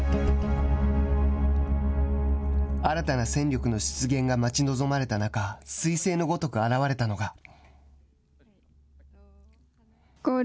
新たな戦力の出現が待ち望まれた中すい星のごとく現れたのが。